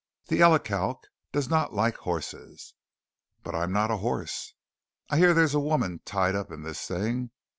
The elecalc does not like horses." "But I'm not a horse." "I hear there's a woman tied up in this thing.